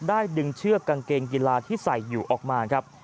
ดึงเชือกกางเกงกีฬาที่ใส่อยู่ออกมาครับ